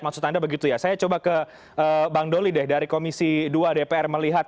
maksud anda begitu ya saya coba ke bang doli deh dari komisi dua dpr melihat